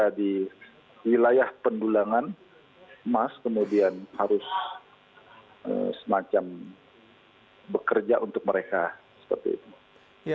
jadi wilayah pendulangan emas kemudian harus semacam bekerja untuk mereka